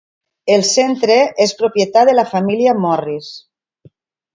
El centre és propietat de la família Morris.